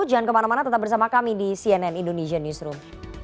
jangan kemana mana tetap bersama kami di cnn indonesian newsroom